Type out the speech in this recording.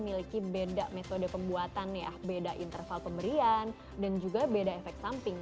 memiliki beda metode pembuatan ya beda interval pemberian dan juga beda efek samping